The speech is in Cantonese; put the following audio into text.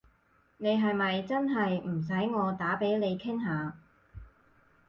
你係咪真係唔使我打畀你傾下？